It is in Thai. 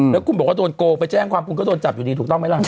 แล้วคุณบอกว่าโดนโกลไปแจ้งความคุณก็โดนจับอยู่ดีถูกต้องไหมล่ะ